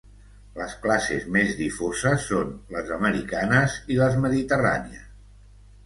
Les classes més difoses són les americanes i les mediterrànies.